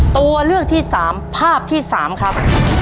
ตัวเลือกที่สามภาพที่สามครับ